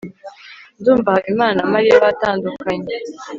ndumva habimana na mariya batandukanye